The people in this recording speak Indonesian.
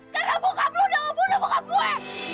karena bokap lo udah membunuh bokap gue